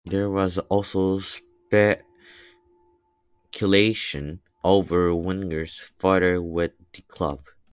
There was also speculation over Wenger's future with the club.